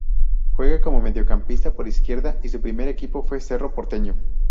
Juega como mediocampista por izquierda y su primer equipo fue Cerro Porteño.